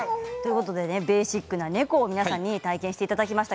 ベーシックな猫を体験していただきました。